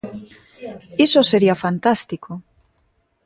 Iso sería fantástico.